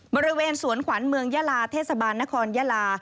บริเวณสวนขวัญเมืองยาลาเทศบาลนครยาลา